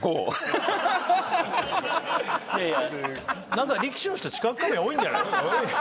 何か力士の人知覚過敏多いんじゃない？